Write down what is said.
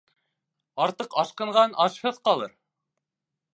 Артыҡ ашҡынған ашһыҙ ҡалыр.